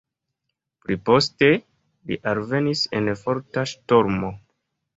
Pliposte li alvenis en forta ŝtormo.